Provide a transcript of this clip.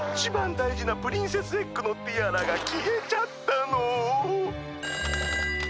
だいじなプリンセスエッグのティアラがきえちゃったの！